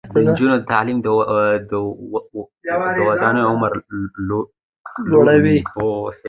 د نجونو تعلیم د ودونو عمر لوړوي.